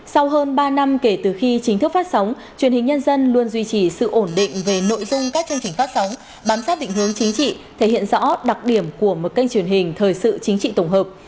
sau hơn ba năm kể từ khi chính thức phát sóng truyền hình nhân dân luôn duy trì sự ổn định về nội dung các chương trình phát sóng bám sát định hướng chính trị thể hiện rõ đặc điểm của một kênh truyền hình thời sự chính trị tổng hợp